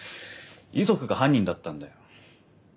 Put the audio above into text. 遺族が犯人だったんだよ。